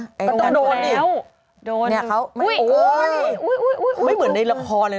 ต้องโดนดิโดนเนี้ยเขาอุ้ยอุ้ยอุ้ยอุ้ยไม่เหมือนในละครเลย